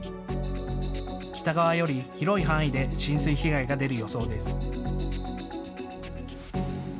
北側より広い範囲で浸水被害が出る予想です。